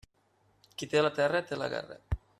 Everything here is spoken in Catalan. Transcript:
Qui té la terra, té la guerra.